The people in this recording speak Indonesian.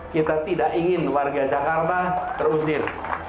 kita tidak ingin warga jakarta terusir